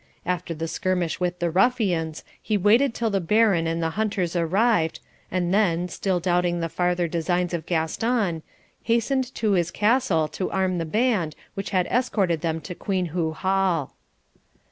After the skirmish with the ruffians, he waited till the Baron and the hunters arrived, and then, still doubting the farther designs of Gaston, hastened to his castle to arm the band which had escorted them to Queenhoo Hall.